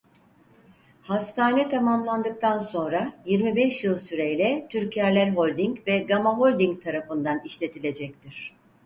Hastane tamamlandıktan sonra yirmi beş yıl süreyle Türkerler Holding ve Gama Holding tarafından işletilecektir.